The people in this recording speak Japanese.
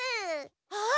あっ！